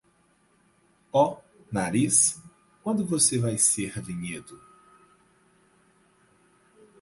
Oh, nariz, quando você vai ser vinhedo!